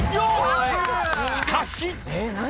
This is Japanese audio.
［しかし］何？